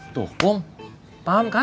tuh kum paham kan